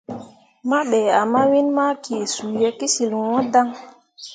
Mah be ah mawin ma kee suu ye kəsyil ŋwəə daŋ.